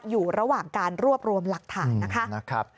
อยู่ระหว่างการรวบรวมหลักฐานนะคะ